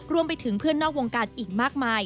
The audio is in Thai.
รวมไปถึงเพื่อนนอกวงการอีกมากมาย